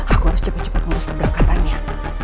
aku harus cepat cepat ngurus keberangkatannya